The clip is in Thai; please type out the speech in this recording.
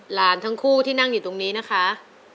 หลานทั้งคู่ที่นั่งอยู่ตรงนี้นะคะ